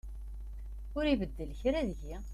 Ur ibeddel kra deg-i.